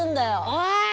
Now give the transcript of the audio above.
おい！